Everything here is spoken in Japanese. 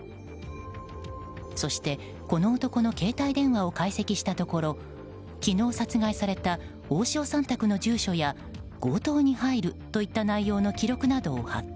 そして、この男の携帯電話を解析したところ昨日殺害された大塩さん宅の住所や強盗に入るといった内容の記録などを発見。